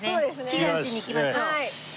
祈願しに行きましょう。